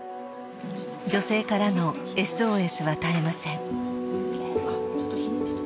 女性からのＳＯＳは絶えません。